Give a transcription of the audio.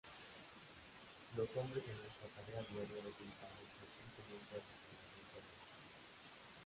Los hombres en nuestra tarea diaria, utilizamos constantemente el razonamiento deductivo.